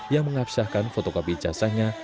yang mengabsahkan fotokopi ijazahnya